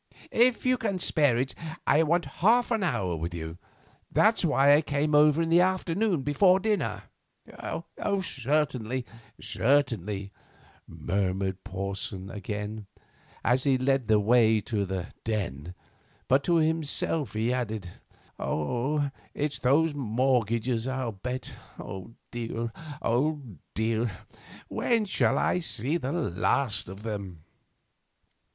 If you can spare it, I want half an hour with you. That's why I came over in the afternoon, before dinner." "Certainly, certainly," murmured Porson again, as he led the way to the "den," but to himself he added: "It's those mortgages, I'll bet. Oh dear! oh dear! when shall I see the last of them?"